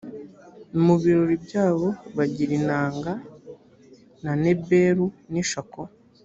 mu birori byabo bagira inanga na nebelu n ishako